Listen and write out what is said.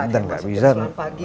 dan tidak bisa sembilan to lima ya